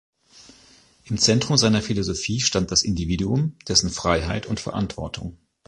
Im Zentrum seiner Philosophie stand das Individuum, dessen Freiheit und Verantwortung.